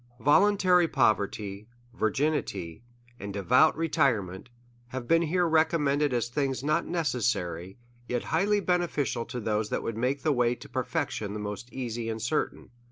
Voluntary poverty, virginity, and devout retirement, have been here re commended as things not necessary, yet highly bene ficial to tiiose tliat would make the way to perfection the most easy and certain.